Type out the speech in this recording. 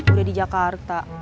udah di jakarta